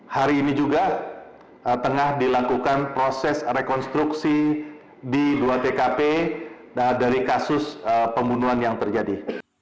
hari ini juga tengah dilakukan proses rekonstruksi di dua tkp dari kasus pembunuhan yang terjadi